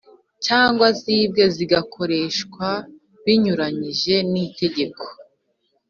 cyangwa zibwe zigakoreshwa binyuranije nitegeko